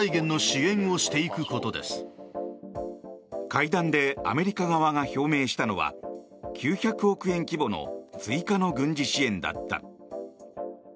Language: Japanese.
会談でアメリカ側が表明したのは９００億円規模の追加の軍事支援だった。